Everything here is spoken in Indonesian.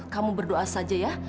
kamu berdoa saja ya